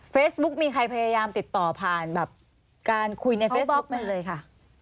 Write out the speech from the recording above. เฟซบุ๊กมีใครพยายามติดต่อผ่านแบบการคุยในเฟซบุ๊กนั่นเลยค่ะ